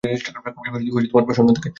খুবই প্রসন্ন দেখাচ্ছে।